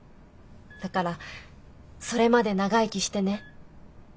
だからそれまで長生きしてね。